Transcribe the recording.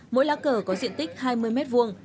mỗi lá cờ có diện tích hai mươi m hai